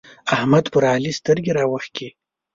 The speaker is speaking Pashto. احمد پر علي سترګې راوکښې.